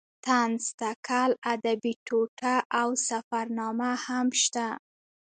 طنز تکل ادبي ټوټه او سفرنامه هم شته.